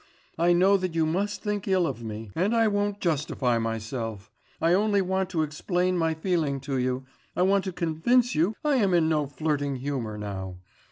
'I know that you must think ill of me, and I won't justify myself; I only want to explain my feeling to you, I want to convince you I am in no flirting humour now....